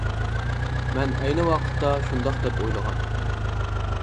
مەن ئەينى ۋاقىتتا شۇنداق دەپ ئويلىغان.